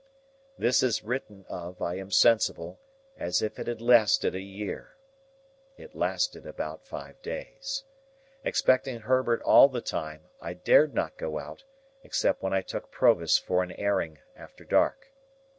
This is written of, I am sensible, as if it had lasted a year. It lasted about five days. Expecting Herbert all the time, I dared not go out, except when I took Provis for an airing after dark.